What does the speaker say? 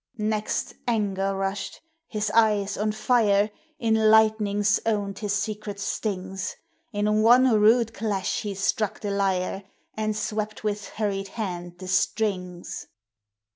Next Anger rushed ; his eyes, on fire, In lightnings owned his secret stings : In one rude clash he struck the lyre, And swept with hurried hand the strings.